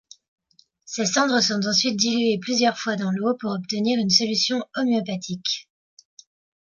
Ces cendres sont ensuite diluées plusieurs fois dans l'eau pour obtenir une solution homéopathique.